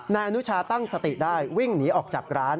นายอนุชาตั้งสติได้วิ่งหนีออกจากร้าน